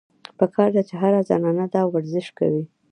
پکار ده چې هره زنانه دا ورزش کوي -